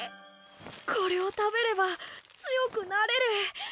これを食べれば強くなれる！